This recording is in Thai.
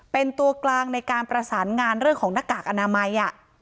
เป็นตัวกลางในการประสานงานเรื่องของหน้ากากอนามัย